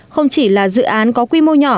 không chỉ là dự án có quy mô nhỏ